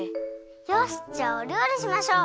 よしじゃあおりょうりしましょう！